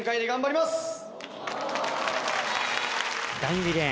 頑張ります